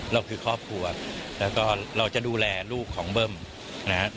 เราคือครอบครัวแล้วก็เราจะดูแลลูกของเบิ้มนะครับ